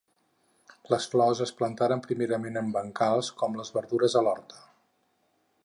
Les flors es plantaren primerament en bancals, com les verdures a l'horta.